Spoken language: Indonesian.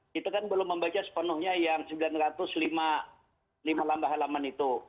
kita kan belum membaca sepenuhnya yang sembilan ratus lima lamba halaman itu